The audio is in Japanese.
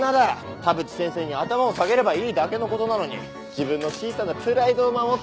田淵先生に頭を下げればいいだけのことなのに自分の小さなプライドを守って。